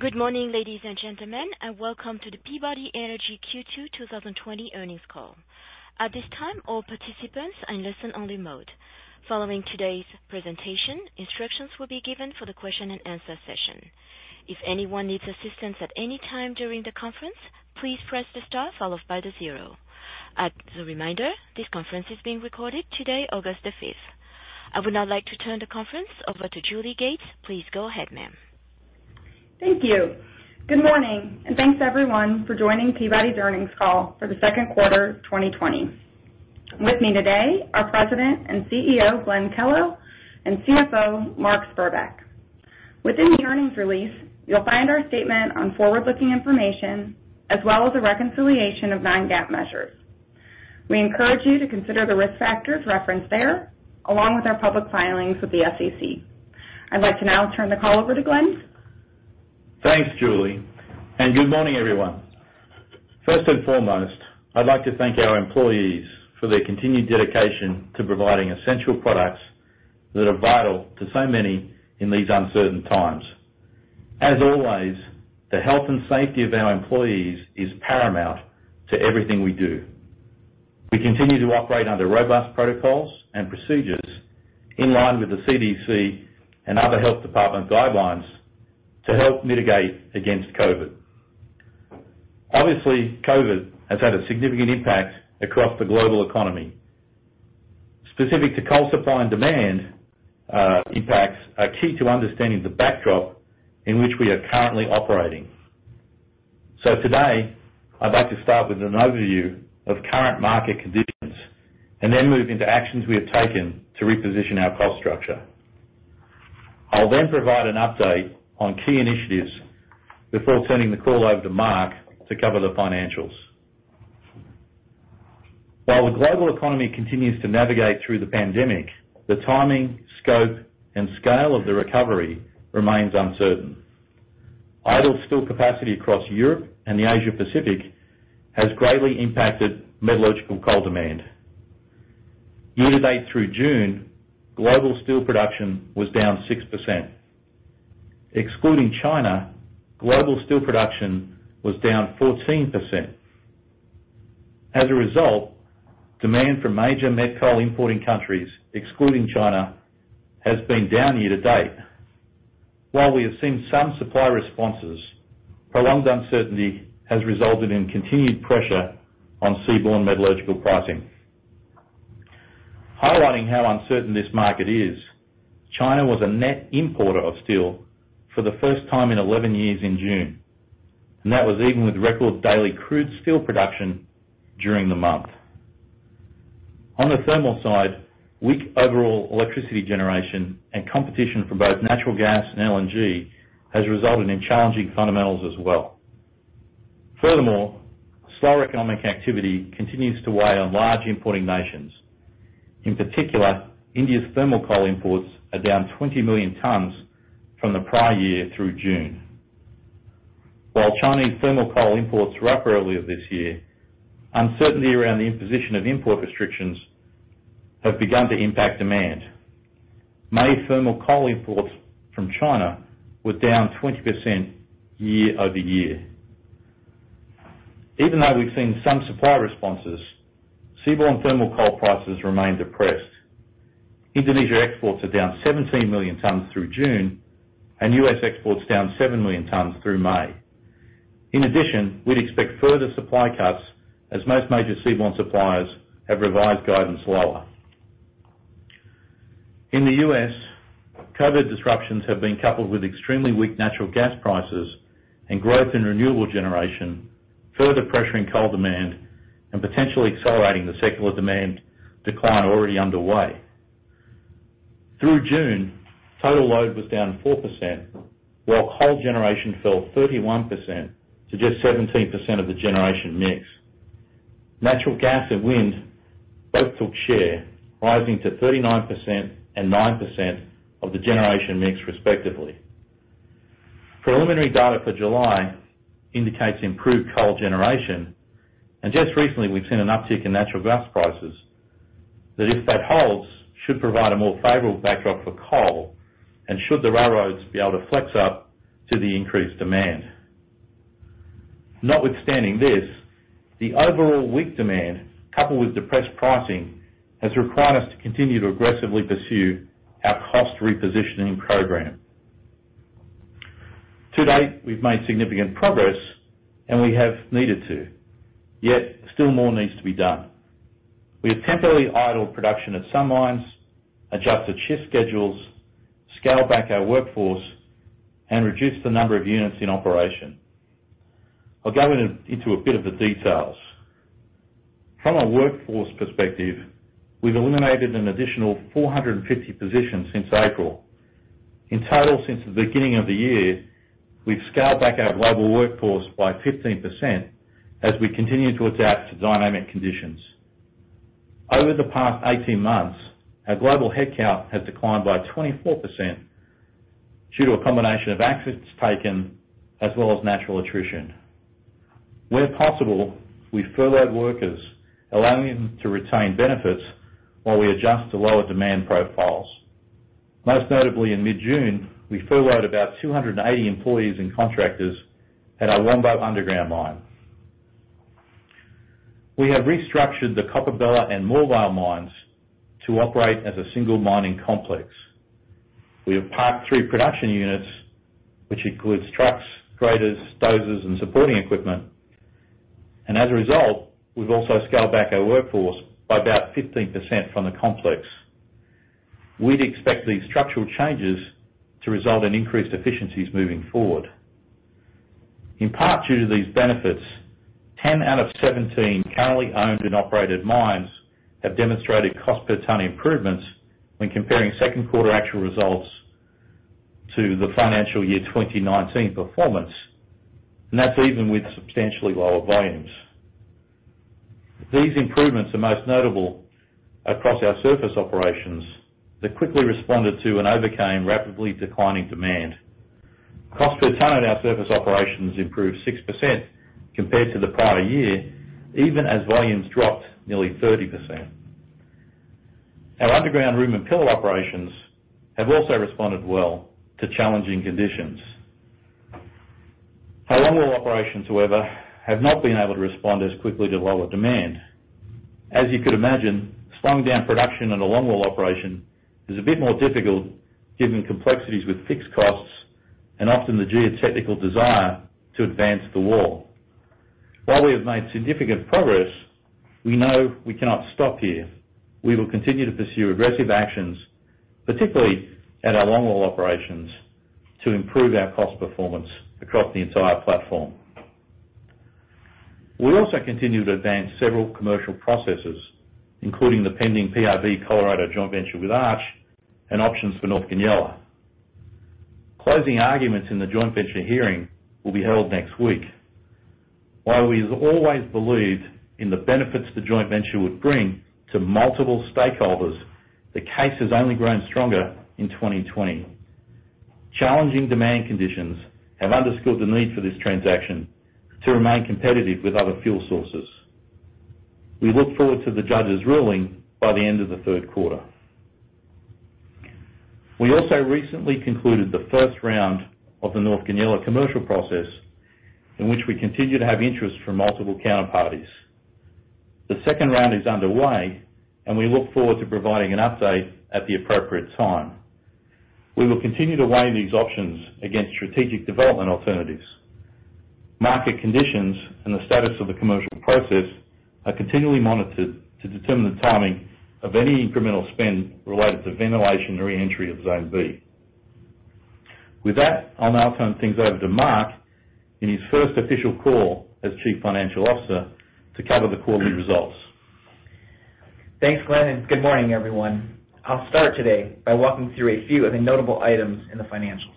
Good morning, ladies and gentlemen, and welcome to the Peabody Energy Q2 2020 earnings call. I would now like to turn the conference over to Julie Gates. Please go ahead, ma'am. Thank you. Good morning, and thanks everyone for joining Peabody's earnings call for the second quarter of 2020. With me today are President and CEO, Glenn Kellow, and CFO, Mark Spurbeck. Within the earnings release, you'll find our statement on forward-looking information, as well as a reconciliation of non-GAAP measures. We encourage you to consider the risk factors referenced there, along with our public filings with the SEC. I'd like to now turn the call over to Glenn. Thanks, Julie. Good morning, everyone. First and foremost, I'd like to thank our employees for their continued dedication to providing essential products that are vital to so many in these uncertain times. As always, the health and safety of our employees is paramount to everything we do. We continue to operate under robust protocols and procedures in line with the CDC and other health department guidelines to help mitigate against COVID. Obviously, COVID has had a significant impact across the global economy. Specific to coal supply and demand, impacts are key to understanding the backdrop in which we are currently operating. Today, I'd like to start with an overview of current market conditions and then move into actions we have taken to reposition our cost structure. I'll then provide an update on key initiatives before turning the call over to Mark to cover the financials. While the global economy continues to navigate through the pandemic, the timing, scope, and scale of the recovery remains uncertain. Idle steel capacity across Europe and the Asia Pacific has greatly impacted metallurgical coal demand. Year-to-date through June, global steel production was down 6%. Excluding China, global steel production was down 14%. As a result, demand for major met coal importing countries, excluding China, has been down year-to-date. While we have seen some supply responses, prolonged uncertainty has resulted in continued pressure on seaborne metallurgical pricing. Highlighting how uncertain this market is, China was a net importer of steel for the first time in 11 years in June, that was even with record daily crude steel production during the month. On the thermal side, weak overall electricity generation and competition for both natural gas and LNG has resulted in challenging fundamentals as well. Slower economic activity continues to weigh on large importing nations. In particular, India's thermal coal imports are down 20 million tons from the prior year through June. Chinese thermal coal imports were up earlier this year, uncertainty around the imposition of import restrictions have begun to impact demand. May thermal coal imports from China were down 20% year-over-year. We've seen some supply responses, seaborne thermal coal prices remain depressed. Indonesia exports are down 17 million tons through June, and U.S. exports down seven million tons through May. We'd expect further supply cuts as most major seaborne suppliers have revised guidance lower. In the U.S., COVID disruptions have been coupled with extremely weak natural gas prices and growth in renewable generation, further pressuring coal demand and potentially accelerating the secular demand decline already underway. Through June, total load was down 4%, while coal generation fell 31% to just 17% of the generation mix. Natural gas and wind both took share, rising to 39% and 9% of the generation mix respectively. Just recently, we've seen an uptick in natural gas prices that if that holds, should provide a more favorable backdrop for coal and should the railroads be able to flex up to the increased demand. Notwithstanding this, the overall weak demand, coupled with depressed pricing, has required us to continue to aggressively pursue our cost repositioning program. To date, we've made significant progress, and we have needed to, yet still more needs to be done. We have temporarily idled production at some mines, adjusted shift schedules, scaled back our workforce, and reduced the number of units in operation. I'll go into a bit of the details. From a workforce perspective, we've eliminated an additional 450 positions since April. In total, since the beginning of the year, we've scaled back our global workforce by 15% as we continue to adapt to dynamic conditions. Over the past 18 months, our global headcount has declined by 24% due to a combination of actions taken as well as natural attrition. Where possible, we furloughed workers, allowing them to retain benefits while we adjust to lower demand profiles. Most notably, in mid-June, we furloughed about 280 employees and contractors at our Wambo underground mine. We have restructured the Coppabella and Moorvale mines to operate as a single mining complex. We have parked three production units, which includes trucks, graders, dozers, and supporting equipment. As a result, we've also scaled back our workforce by about 15% from the complex. We'd expect these structural changes to result in increased efficiencies moving forward. In part, due to these benefits, 10 out of 17 currently owned and operated mines have demonstrated cost per ton improvements when comparing second quarter actual results to the financial year 2019 performance, and that's even with substantially lower volumes. These improvements are most notable across our surface operations that quickly responded to and overcame rapidly declining demand. Cost per ton at our surface operations improved 6% compared to the prior year, even as volumes dropped nearly 30%. Our underground room and pillar operations have also responded well to challenging conditions. Our longwall operations, however, have not been able to respond as quickly to lower demand. As you could imagine, slowing down production in a longwall operation is a bit more difficult given complexities with fixed costs and often the geotechnical desire to advance the wall. While we have made significant progress, we know we cannot stop here. We will continue to pursue aggressive actions, particularly at our longwall operations, to improve our cost performance across the entire platform. We also continue to advance several commercial processes, including the pending PRB Colorado joint venture with Arch and options for North Goonyella. Closing arguments in the joint venture hearing will be held next week. While we have always believed in the benefits the joint venture would bring to multiple stakeholders, the case has only grown stronger in 2020. Challenging demand conditions have underscored the need for this transaction to remain competitive with other fuel sources. We look forward to the judge's ruling by the end of the third quarter. We also recently concluded the first round of the North Goonyella commercial process, in which we continue to have interest from multiple counterparties. The second round is underway and we look forward to providing an update at the appropriate time. We will continue to weigh these options against strategic development alternatives. Market conditions and the status of the commercial process are continually monitored to determine the timing of any incremental spend related to ventilation or reentry of Zone B. With that, I'll now turn things over to Mark in his first official call as Chief Financial Officer to cover the quarterly results. Thanks, Glenn, and good morning, everyone. I'll start today by walking through a few of the notable items in the financials.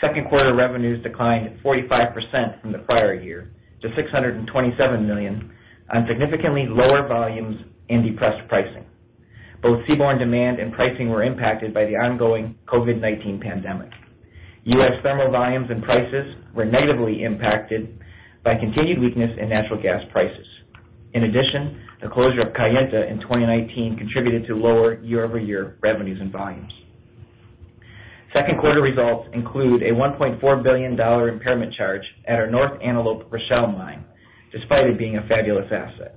Second quarter revenues declined 45% from the prior year to $627 million on significantly lower volumes and depressed pricing. Both seaborne demand and pricing were impacted by the ongoing COVID-19 pandemic. U.S. thermal volumes and prices were negatively impacted by continued weakness in natural gas prices. In addition, the closure of Kayenta in 2019 contributed to lower year-over-year revenues and volumes. Second quarter results include a $1.4 billion impairment charge at our North Antelope Rochelle mine, despite it being a fabulous asset.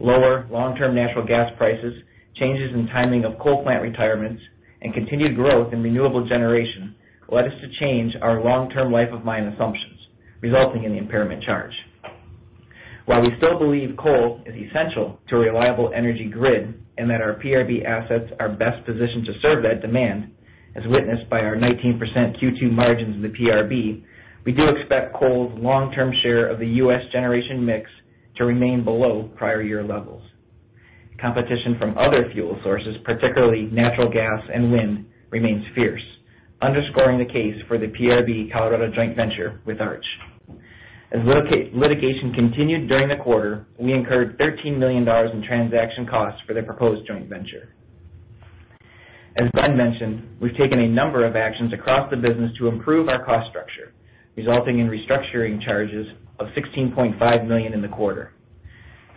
Lower long-term natural gas prices, changes in timing of coal plant retirements, and continued growth in renewable generation led us to change our long-term life of mine assumptions, resulting in the impairment charge. While we still believe coal is essential to a reliable energy grid and that our PRB assets are best positioned to serve that demand, as witnessed by our 19% Q2 margins in the PRB, we do expect coal's long-term share of the U.S. generation mix to remain below prior year levels. Competition from other fuel sources, particularly natural gas and wind, remains fierce, underscoring the case for the PRB and Colorado joint venture with Arch Coal. As litigation continued during the quarter, we incurred $13 million in transaction costs for the proposed joint venture. As Glenn mentioned, we've taken a number of actions across the business to improve our cost structure, resulting in restructuring charges of $16.5 million in the quarter.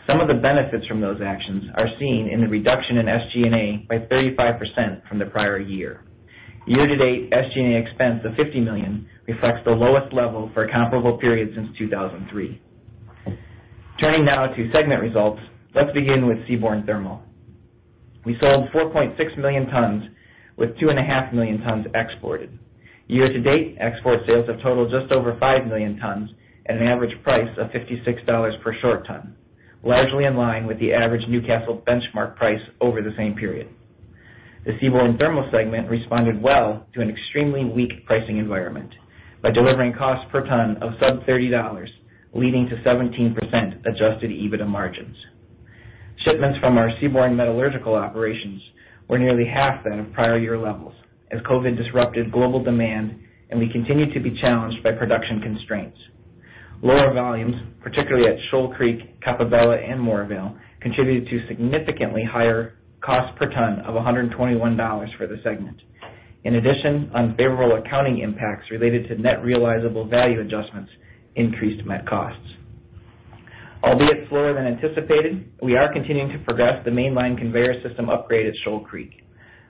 Some of the benefits from those actions are seen in the reduction in SG&A by 35% from the prior year. Year to date, SG&A expense of $50 million reflects the lowest level for a comparable period since 2003. Turning now to segment results. Let's begin with Seaborne Thermal. We sold 4.6 million tons with 2.5 million tons exported. Year to date, export sales have totaled just over 5 million tons at an average price of $56 per short ton, largely in line with the average Newcastle benchmark price over the same period. The Seaborne Thermal segment responded well to an extremely weak pricing environment by delivering cost per ton of sub $30, leading to 17% adjusted EBITDA margins. Shipments from our seaborne metallurgical operations were nearly half that of prior year levels as COVID disrupted global demand, and we continue to be challenged by production constraints. Lower volumes, particularly at Shoal Creek, Coppabella, and Moorvale, contributed to significantly higher cost per ton of $121 for the segment. In addition, unfavorable accounting impacts related to net realizable value adjustments increased met costs. Albeit slower than anticipated, we are continuing to progress the mainline conveyor system upgrade at Shoal Creek.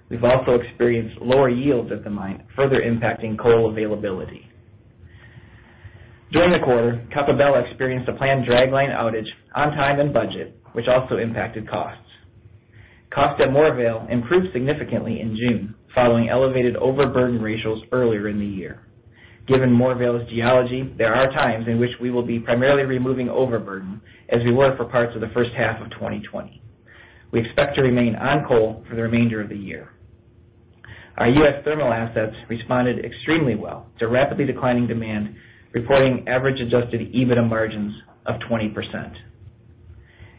We've also experienced lower yields at the mine, further impacting coal availability. During the quarter, Coppabella experienced a planned dragline outage on time and budget, which also impacted costs. Cost at Moorvale improved significantly in June, following elevated overburden ratios earlier in the year. Given Moorvale's geology, there are times in which we will be primarily removing overburden, as we were for parts of the first half of 2020. We expect to remain on coal for the remainder of the year. Our U.S. thermal assets responded extremely well to rapidly declining demand, reporting average adjusted EBITDA margins of 20%.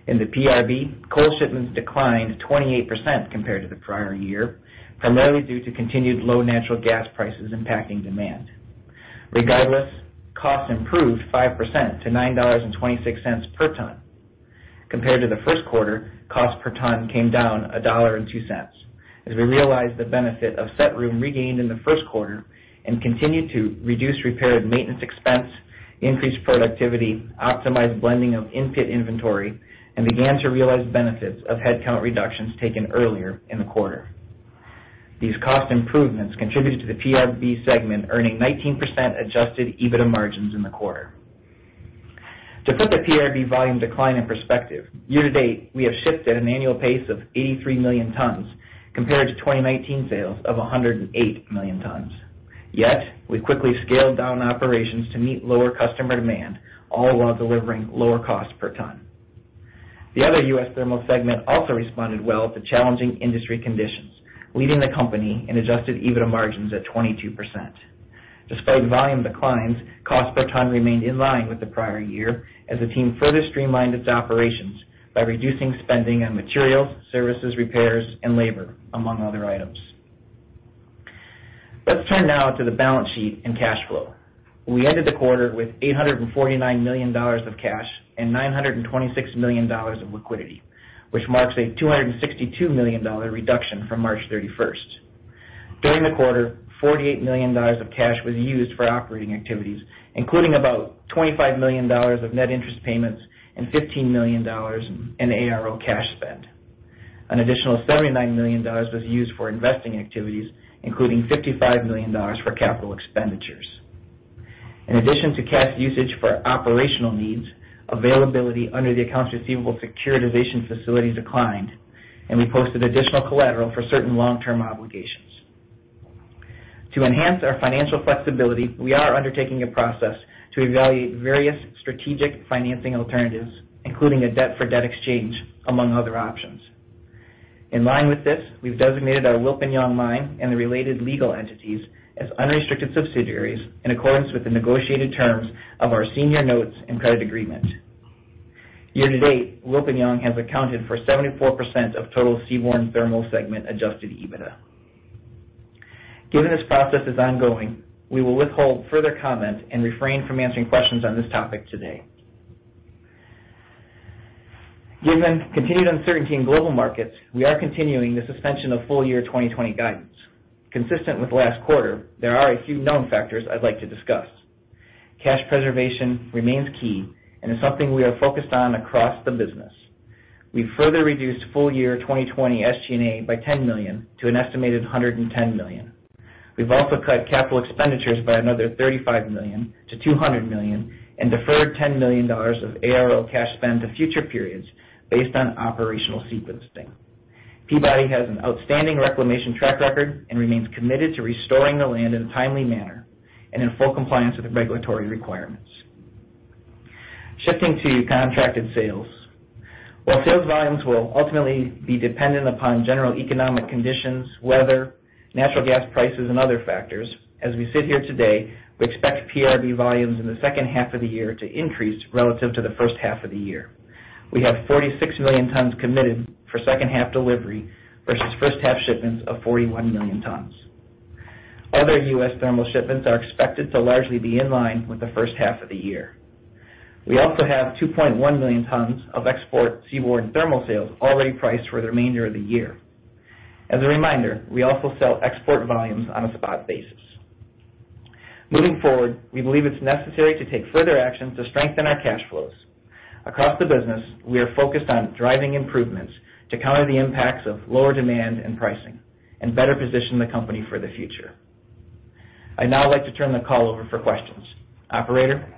In the PRB, coal shipments declined 28% compared to the prior year, primarily due to continued low natural gas prices impacting demand. Regardless, costs improved 5% to $9.26 per ton. Compared to the first quarter, cost per ton came down $1.02 as we realized the benefit of room and pillar regained in the first quarter and continued to reduce repair and maintenance expense, increase productivity, optimize blending of in-pit inventory, and began to realize benefits of headcount reductions taken earlier in the quarter. These cost improvements contributed to the PRB segment earning 19% adjusted EBITDA margins in the quarter. To put the PRB volume decline in perspective, year-to-date, we have shifted an annual pace of 83 million tons compared to 2019 sales of 108 million tons. Yet, we quickly scaled down operations to meet lower customer demand, all while delivering lower cost per ton. The other US thermal segment also responded well to challenging industry conditions, leading the company in adjusted EBITDA margins at 22%. Despite volume declines, cost per ton remained in line with the prior year as the team further streamlined its operations by reducing spending on materials, services, repairs, and labor, among other items. Let's turn now to the balance sheet and cash flow. We ended the quarter with $849 million of cash and $926 million of liquidity, which marks a $262 million reduction from March 31st. During the quarter, $48 million of cash was used for operating activities, including about $25 million of net interest payments and $15 million in ARO cash spend. An additional $79 million was used for investing activities, including $55 million for capital expenditures. In addition to cash usage for operational needs, availability under the accounts receivable securitization facility declined, and we posted additional collateral for certain long-term obligations. To enhance our financial flexibility, we are undertaking a process to evaluate various strategic financing alternatives, including a debt for debt exchange, among other options. In line with this, we've designated our Wilpinjong Mine and the related legal entities as unrestricted subsidiaries in accordance with the negotiated terms of our senior notes and credit agreement. Year-to-date, Wilpinjong has accounted for 74% of total seaborne thermal segment adjusted EBITDA. Given this process is ongoing, we will withhold further comment and refrain from answering questions on this topic today. Given continued uncertainty in global markets, we are continuing the suspension of full-year 2020 guidance. Consistent with last quarter, there are a few known factors I'd like to discuss. Cash preservation remains key and is something we are focused on across the business. We've further reduced full-year 2020 SG&A by $10 million to an estimated $110 million. We've also cut capital expenditures by another $35 million-$200 million and deferred $10 million of ARO cash spend to future periods based on operational sequencing. Peabody has an outstanding reclamation track record and remains committed to restoring the land in a timely manner and in full compliance with regulatory requirements. Shifting to contracted sales. While sales volumes will ultimately be dependent upon general economic conditions, weather, natural gas prices, and other factors, as we sit here today, we expect PRB volumes in the second half of the year to increase relative to the first half of the year. We have 46 million tons committed for second half delivery versus first half shipments of 41 million tons. Other U.S. thermal shipments are expected to largely be in line with the first half of the year. We also have 2.1 million tons of export seaborne thermal sales already priced for the remainder of the year. As a reminder, we also sell export volumes on a spot basis. Moving forward, we believe it's necessary to take further action to strengthen our cash flows. Across the business, we are focused on driving improvements to counter the impacts of lower demand and pricing and better position the company for the future. I'd now like to turn the call over for questions. Operator?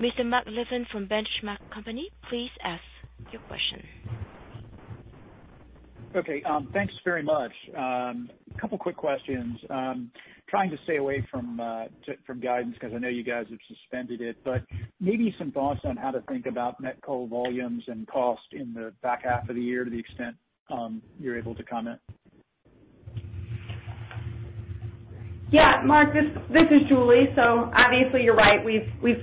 Mr. Mark Levin from The Benchmark Company, please ask your question. Okay. Thanks very much. Couple quick questions. Trying to stay away from guidance because I know you guys have suspended it, but maybe some thoughts on how to think about net coal volumes and cost in the back half of the year to the extent you're able to comment. Yeah, Mark, this is Julie. Obviously you're right. We've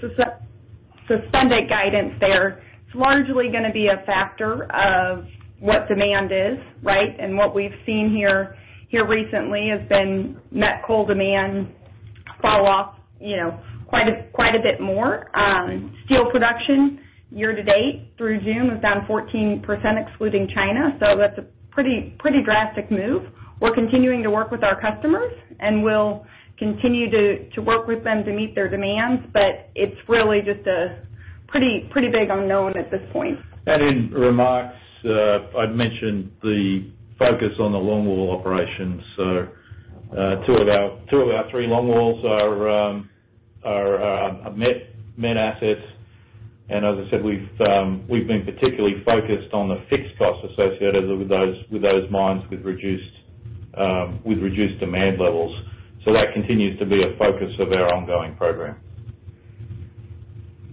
suspended guidance there. It's largely going to be a factor of what demand is, right? What we've seen here recently has been met coal demand fall off quite a bit more. Steel production year-to-date through June was down 14%, excluding China. That's a pretty drastic move. We're continuing to work with our customers, and we'll continue to work with them to meet their demands. It's really just a pretty big unknown at this point. In remarks, I'd mentioned the focus on the longwall operations. Two of our three longwalls are met assets. As I said, we've been particularly focused on the fixed costs associated with those mines with reduced demand levels. That continues to be a focus of our ongoing program.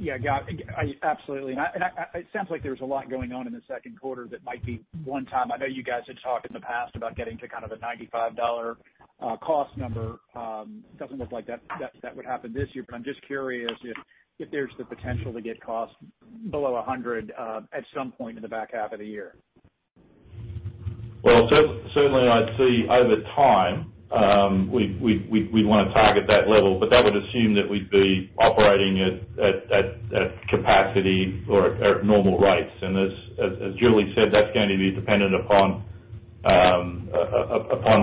Yeah, got it. Absolutely. It sounds like there's a lot going on in the second quarter that might be one time. I know you guys had talked in the past about getting to kind of a $95 cost number. Doesn't look like that would happen this year. I'm just curious if there's the potential to get costs below $100 at some point in the back half of the year. Well, certainly I'd see over time, we'd want to target that level, but that would assume that we'd be operating at capacity or at normal rates. As Julie said, that's going to be dependent upon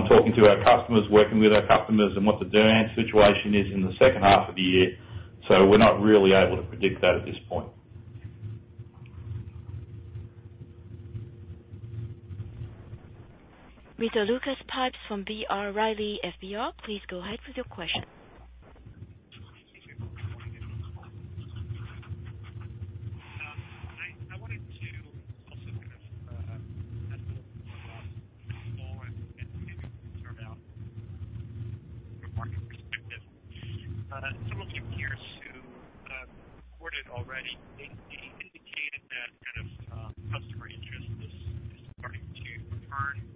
talking to our customers, working with our customers, and what the demand situation is in the second half of the year. We're not really able to predict that at this point. Mr. Lucas Pipes from B. Riley FBR, please go ahead with your question. Thank you. Good morning. I wanted to also ask a little bit more about longwall and maybe sort out from a market perspective. Some of your peers who reported already, they indicated that kind of customer interest is starting to return.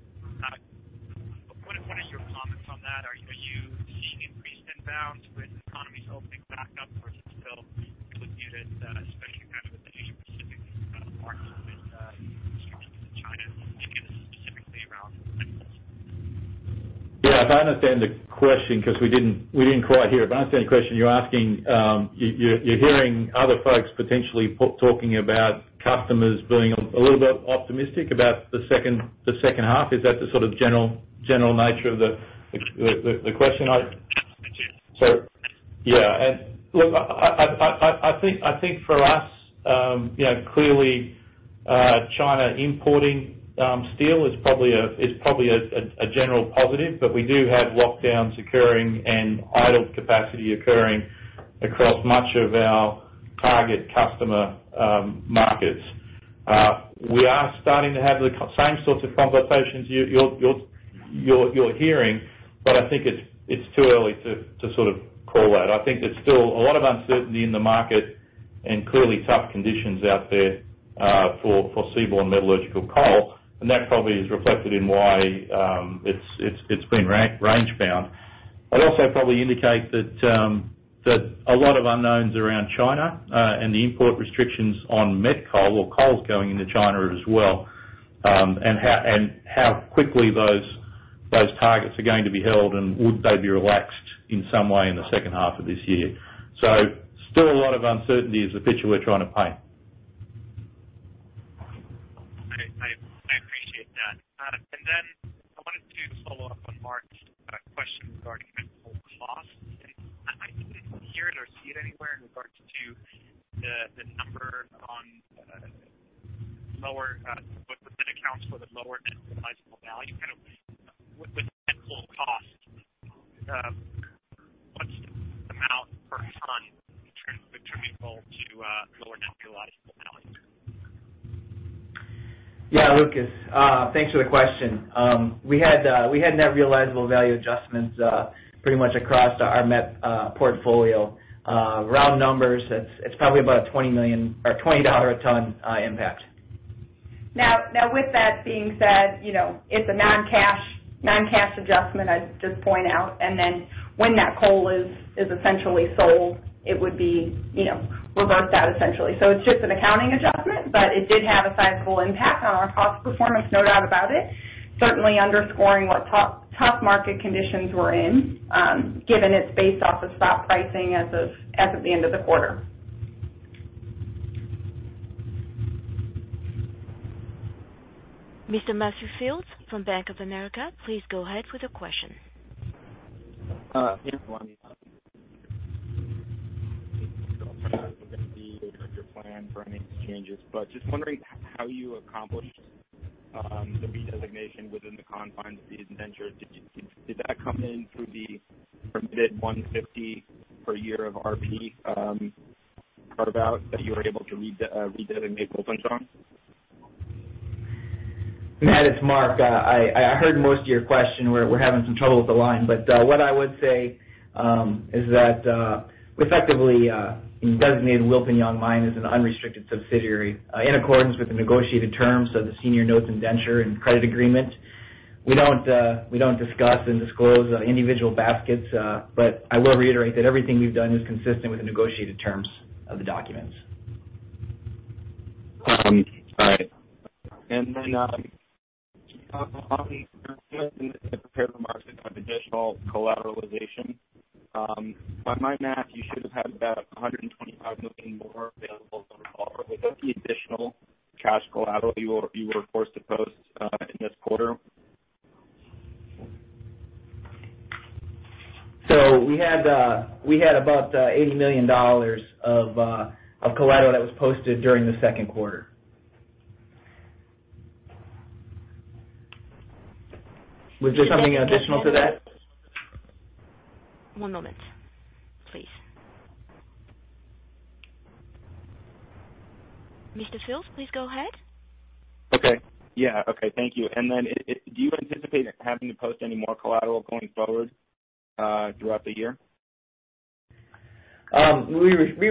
What is your comment on that? Are you seeing increased inbounds with economies opening back up, or is it still with you that, especially kind of with the Asia Pacific market with restrictions in China, particularly specifically around met coals? Yeah, if I understand the question, because we didn't quite hear. If I understand the question you're asking, you're hearing other folks potentially talking about customers being a little bit optimistic about the second half. Is that the sort of general nature of the question? That's correct. Yeah. Look, I think for us, clearly China importing steel is probably a general positive, but we do have lockdowns occurring and idle capacity occurring across much of our target customer markets. We are starting to have the same sorts of conversations you're hearing, but I think it's too early to sort of call that. I think there's still a lot of uncertainty in the market and clearly tough conditions out there for seaborne metallurgical coal, and that probably is reflected in why it's been range-bound. I'd also probably indicate that a lot of unknowns around China and the import restrictions on met coal or coals going into China as well, and how quickly those targets are going to be held and would they be relaxed in some way in the second half of this year. Still a lot of uncertainty is the picture we're trying to paint. I appreciate that. Then I wanted to follow up on Mark's question regarding met coal cost. I didn't hear it or see it anywhere in regards to the number on what the net accounts for the lower net realizable value. Kind of with met coal cost, what's the amount per ton between coal to lower net realizable value? Yeah. Lucas, thanks for the question. We had net realizable value adjustments pretty much across our met portfolio. Round numbers, it's probably about a $20 million or $20 a ton impact. With that being said, it's a non-cash adjustment, I'd just point out, and then when that coal is essentially sold, it would be reversed out essentially. It's just an accounting adjustment, but it did have a sizable impact on our cost performance, no doubt about it. Certainly underscoring what tough market conditions we're in, given it's based off of spot pricing as of the end of the quarter. Mr. Matthew Fields from Bank of America, please go ahead with your question. Yes. Good morning. We're going to be your plan for any exchanges, but just wondering how you accomplished the redesignation within the confines of these ventures. Did that come in through the permitted 150 per year of RP carve-out that you were able to redesignate coal from? Matt, it's Mark. I heard most of your question. We're having some trouble with the line. What I would say is that we effectively designated Wilpinjong Mine as an unrestricted subsidiary in accordance with the negotiated terms of the senior notes indenture and credit agreement. We don't discuss and disclose individual baskets. I will reiterate that everything we've done is consistent with the negotiated terms of the documents. All right. On the prepared remarks in terms of additional collateralization, by my math, you should have had about $125 million more available than fall. Was that the additional cash collateral you were forced to post in this quarter? We had about $80 million of collateral that was posted during the second quarter. Was there something additional to that? One moment, please. Mr. Phillips, please go ahead. Okay. Yeah. Okay, thank you. Do you anticipate having to post any more collateral going forward throughout the year? We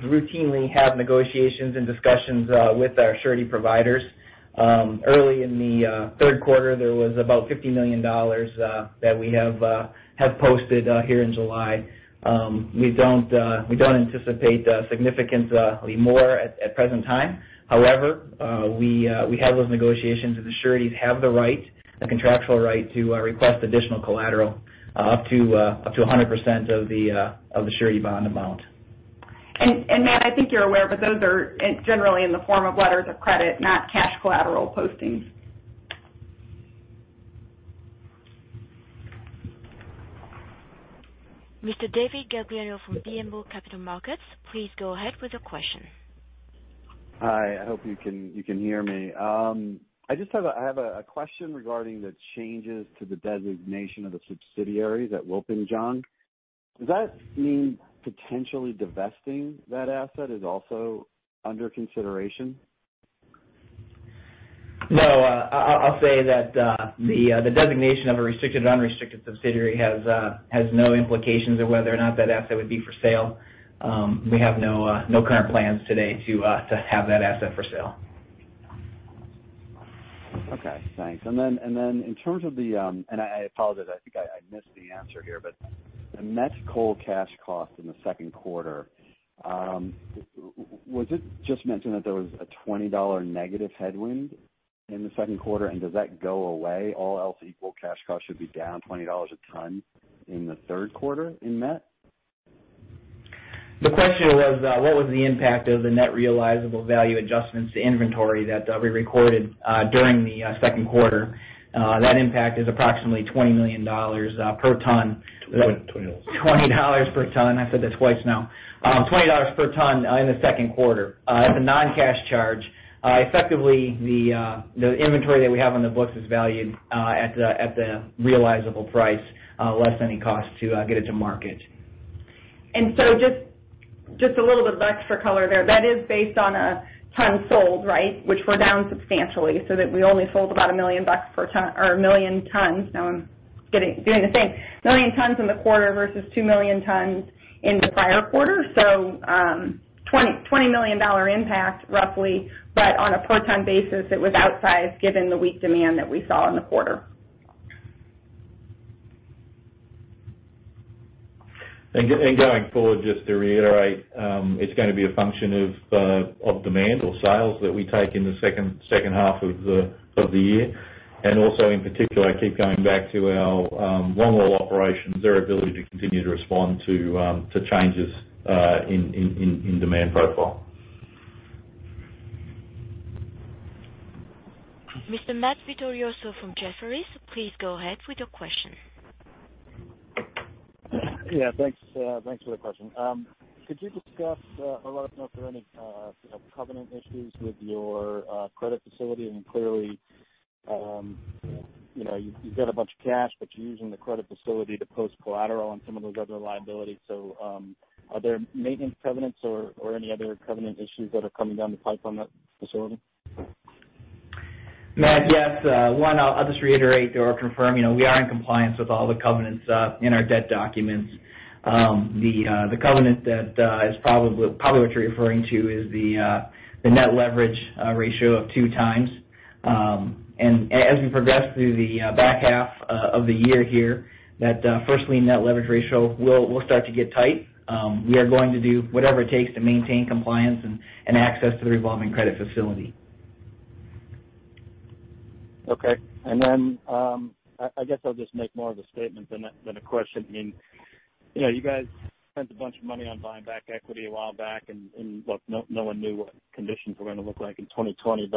routinely have negotiations and discussions with our surety providers. Early in the third quarter, there was about $50 million that we have posted here in July. We don't anticipate significantly more at present time. However, we have those negotiations, and the sureties have the contractual right to request additional collateral up to 100% of the surety bond amount. Matt, I think you're aware, but those are generally in the form of letters of credit, not cash collateral postings. Mr. David Gagliano from BMO Capital Markets, please go ahead with your question. Hi, I hope you can hear me. I have a question regarding the changes to the designation of the subsidiaries at Wilpinjong. Does that mean potentially divesting that asset is also under consideration? No. I'll say that the designation of a restricted or unrestricted subsidiary has no implications of whether or not that asset would be for sale. We have no current plans today to have that asset for sale. Okay, thanks. I apologize, I think I missed the answer here, but the met coal cash cost in the second quarter, was it just mentioned that there was a $20 negative headwind in the second quarter, and does that go away? All else equal, cash cost should be down $20 a ton in the third quarter in met? The question was what was the impact of the net realizable value adjustments to inventory that we recorded during the second quarter. That impact is approximately $20 million per ton. $20. $20 per ton. I said that twice now. $20 per ton in the second quarter. It's a non-cash charge. Effectively, the inventory that we have on the books is valued at the realizable price, less any cost to get it to market. Just a little bit of extra color there. That is based on a ton sold, which we're down substantially, so that we only sold about $1 million per ton or 1 million tons. Now I'm doing the same. 1 million tons in the quarter versus 2 million tons in the prior quarter. $20 million impact, roughly, but on a per ton basis, it was outsized given the weak demand that we saw in the quarter. Going forward, just to reiterate, it's going to be a function of demand or sales that we take in the second half of the year, and also in particular, I keep going back to our longwall operations, their ability to continue to respond to changes in demand profile. Mr. Matt Vittorioso from Jefferies, please go ahead with your question. Yeah, thanks for the question. Could you discuss or let us know if there are any covenant issues with your credit facility? Clearly you've got a bunch of cash, but you're using the credit facility to post collateral on some of those other liabilities. Are there maintenance covenants or any other covenant issues that are coming down the pipe on that facility? Matt, yes. One, I will just reiterate or confirm, we are in compliance with all the covenants in our debt documents. The covenant that is probably what you are referring to is the net leverage ratio of two times. As we progress through the back half of the year here, that first lien net leverage ratio will start to get tight. We are going to do whatever it takes to maintain compliance and access to the revolving credit facility. Okay. I guess I'll just make more of a statement than a question. You guys spent a bunch of money on buying back equity a while back, and look, no one knew what conditions were going to look like in 2020.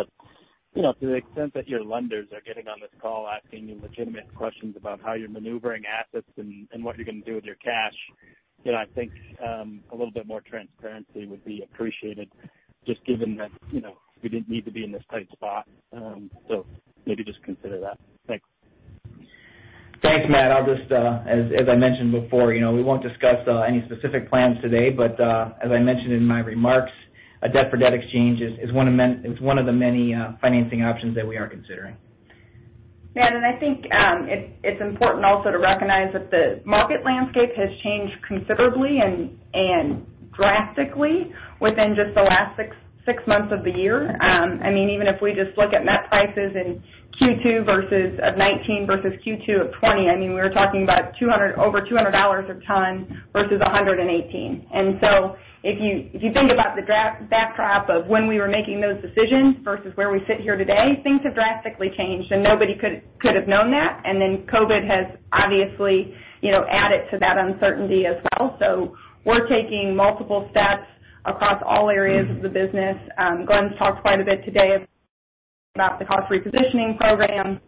To the extent that your lenders are getting on this call asking you legitimate questions about how you're maneuvering assets and what you're going to do with your cash, I think a little bit more transparency would be appreciated just given that we didn't need to be in this tight spot. Maybe just consider that. Thanks. Thanks, Matt. As I mentioned before, we won't discuss any specific plans today, but as I mentioned in my remarks, a debt for debt exchange is one of the many financing options that we are considering. Yeah, I think it's important also to recognize that the market landscape has changed considerably and drastically within just the last six months of the year. Even if we just look at net prices in Q2 2019 versus Q2 2020, we're talking about over $200 a ton versus $118. If you think about the backdrop of when we were making those decisions versus where we sit here today, things have drastically changed, and nobody could have known that. COVID has obviously added to that uncertainty as well. We're taking multiple steps across all areas of the business. Glenn's talked quite a bit today about the Cost Repositioning Program.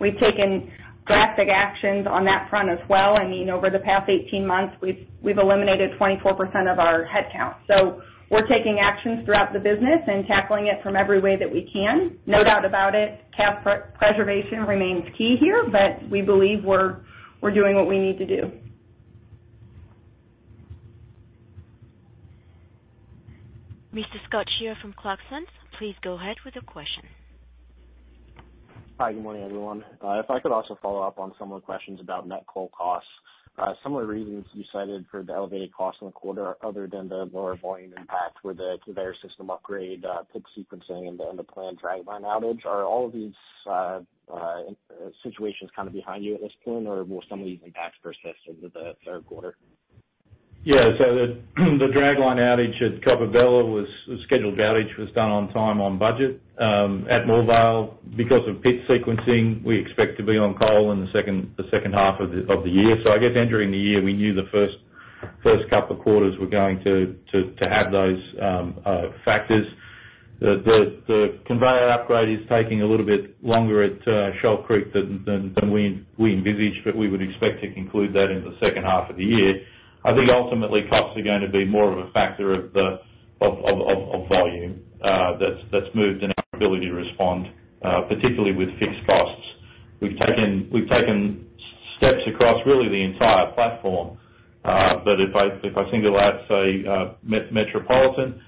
We've taken drastic actions on that front as well. Over the past 18 months, we've eliminated 24% of our headcount. We're taking actions throughout the business and tackling it from every way that we can. No doubt about it, cap preservation remains key here, but we believe we're doing what we need to do. Mr. Scott Schier from Clarksons, please go ahead with your question. Hi, good morning, everyone. If I could also follow up on some of the questions about net coal costs. Some of the reasons you cited for the elevated cost in the quarter, other than the lower volume impact were the conveyor system upgrade, pit sequencing, and the planned dragline outage. Are all of these situations behind you at this point, or will some of these impacts persist into the third quarter? Yeah. The dragline outage at Coppabella was a scheduled outage, was done on time, on budget. At Moorvale, because of pit sequencing, we expect to be on coal in the second half of the year. I guess entering the year, we knew the first couple of quarters were going to have those factors. The conveyor upgrade is taking a little bit longer at Shoal Creek than we envisaged, we would expect to conclude that in the second half of the year. I think ultimately costs are going to be more of a factor of volume that's moved and our ability to respond, particularly with fixed costs. We've taken steps across really the entire platform. If I single out, say, Metropolitan,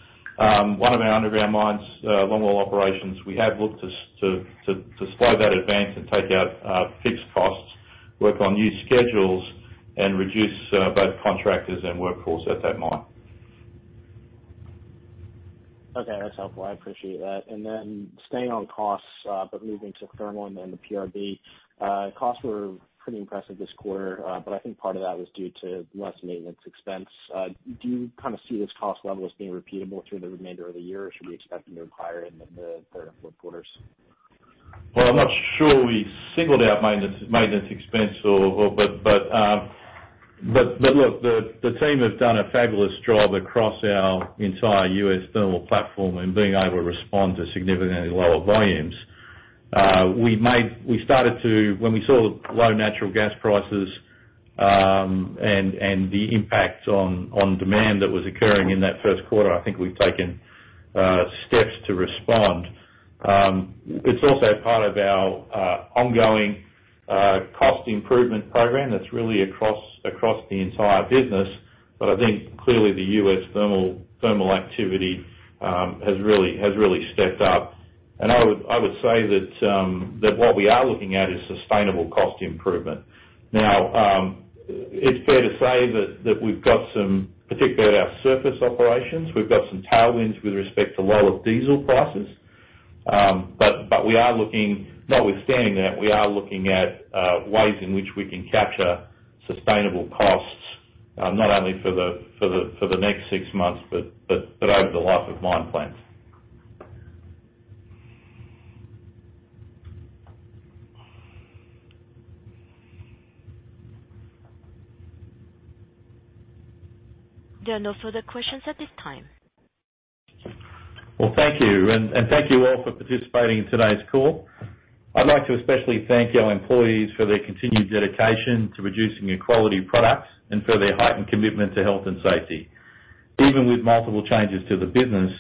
one of our underground mines, longwall operations, we have looked to slow that advance and take out fixed costs, work on new schedules, and reduce both contractors and workforce at that mine. Okay, that's helpful. I appreciate that. Staying on costs, but moving to thermal and then the PRB, costs were pretty impressive this quarter, but I think part of that was due to less maintenance expense. Do you see this cost level as being repeatable through the remainder of the year, or should we expect them to be higher in the third and fourth quarters? Well, I'm not sure we singled out maintenance expense. Look, the team has done a fabulous job across our entire U.S. thermal platform in being able to respond to significantly lower volumes. When we saw the low natural gas prices, and the impact on demand that was occurring in that first quarter, I think we've taken steps to respond. It's also part of our ongoing cost improvement program that's really across the entire business. I think clearly the U.S. thermal activity has really stepped up. I would say that what we are looking at is sustainable cost improvement. Now, it's fair to say that, particularly at our surface operations, we've got some tailwinds with respect to lower diesel prices. Notwithstanding that, we are looking at ways in which we can capture sustainable costs, not only for the next six months, but over the life of mine plans. There are no further questions at this time. Well, thank you, and thank you all for participating in today's call. I'd like to especially thank our employees for their continued dedication to producing a quality product and for their heightened commitment to health and safety. Even with multiple changes to the business,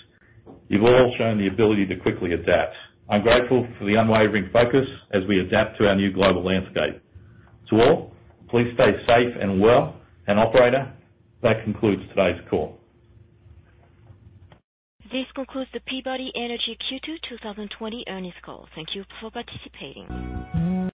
you've all shown the ability to quickly adapt. I'm grateful for the unwavering focus as we adapt to our new global landscape. To all, please stay safe and well. Operator, that concludes today's call. This concludes the Peabody Energy Q2 2020 earnings call. Thank you for participating.